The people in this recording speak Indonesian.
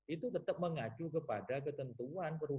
itu tetap mengacu kepada ketentuan perusahaan pendidikan